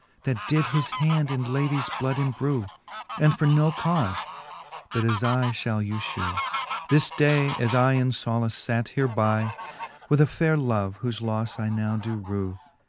That did" his hand in ladie's bloud embrew. And for no caufe, but as I fhall you fhew. This day as I in folace fate hereby With a fayre love, whofe lofTe I now do rew.